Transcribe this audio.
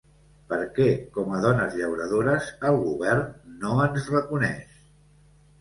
Perquè com a dones llauradores el govern no ens reconeix.